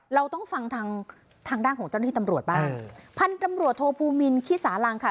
เราต้องฟังทางทางด้านของเจ้าหน้าที่ตำรวจบ้างพันธุ์ตำรวจโทภูมินขี้สารังค่ะ